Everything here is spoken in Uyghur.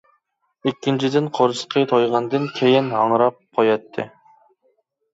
ئىككىنچىدىن قورسىقى تويغاندىن كېيىن ھاڭراپ قوياتتى.